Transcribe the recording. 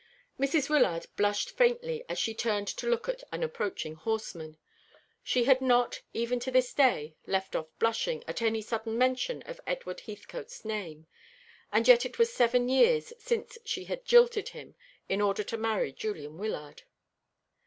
Mrs. Wyllard blushed faintly as she turned to look at an approaching horseman. She had not, even to this day, left off blushing at any sudden mention of Edward Heathcote's name; and yet it was seven years since she had jilted him in order to marry Julian Wyllard.